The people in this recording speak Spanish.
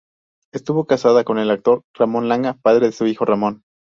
Estuvo casada con el actor Ramón Langa, padre de su hijo Ramón.